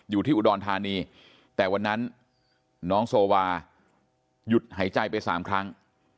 อยู่ที่อุดรธานีแต่วันนั้นน้องโซวาหยุดหายใจไป๓ครั้ง